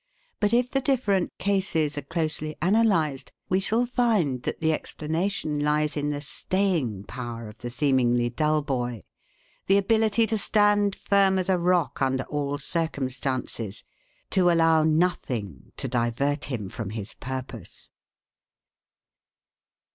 But if the different cases are closely analyzed we shall find that the explanation lies in the staying power of the seemingly dull boy, the ability to stand firm as a rock under all circumstances, to allow nothing to divert him from his purpose.